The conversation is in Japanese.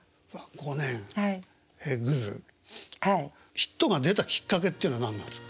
ヒットが出たきっかけっていうのは何なんですか？